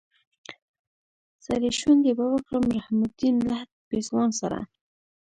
سرې شونډې به ورکړم رحم الدين لهد پېزوان سره